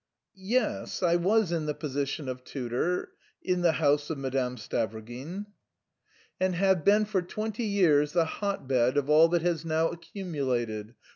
"Yes, I was in the position... of tutor... in the house of Madame Stavrogin." "And have been for twenty years the hotbed of all that has now accumulated...